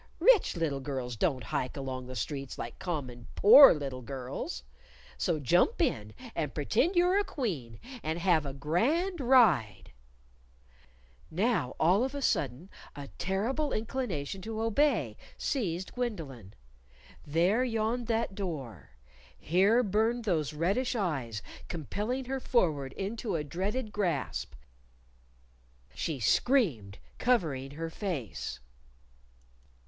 "Rich little girls don't hike along the streets like common poor little girls. So jump in, and pretend you're a Queen, and have a grand ride " Now all of a sudden a terrible inclination to obey seized Gwendolyn. There yawned that door here burned those reddish eyes, compelling her forward into a dreaded grasp She screamed, covering her face.